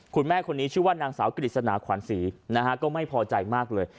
คุณแม่คนนี้ชื่อว่านางสาวกฤษณาขวานศรีนะฮะก็ไม่พอใจมากเลย